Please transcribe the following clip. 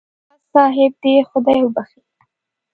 راز صاحب دې خدای وبخښي.